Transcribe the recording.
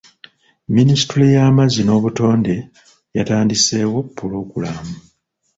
Minisitule y'amazzi n'obutonde yatandiseewo pulogulaamu.